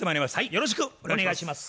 よろしくお願いします。